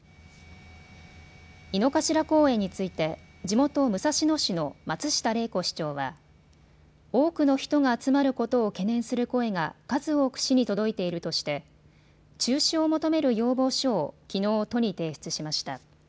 井の頭公園について地元武蔵野市の松下玲子市長は多くの人が集まることを懸念する声が数多く市に届いているとして中止を求める要望書をきのう都に提出しました。